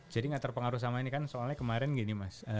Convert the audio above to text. jadi gak terpengaruh sama ini kan soalnya kemarin gini mas